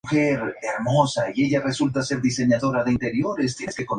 Ésta es una ocasión triste, pero ciertamente tuvo una vida azarosa.